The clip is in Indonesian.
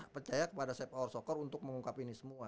percaya kepada saya power soccer untuk mengungkap ini semua